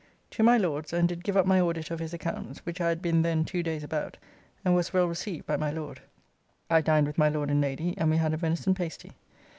To my Lord's, and did give up my audit of his accounts, which I had been then two days about, and was well received by my Lord. I dined with my Lord and Lady, and we had a venison pasty.